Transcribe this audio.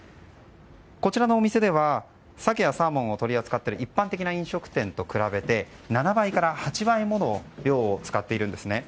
こちらのお店ではサケやサーモンを取り扱っている一般的な飲食店と比べて７倍から８倍の量を使っているんですね。